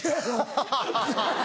アハハハ。